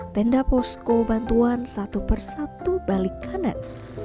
tenda posko bantuan satu persatu balik kanan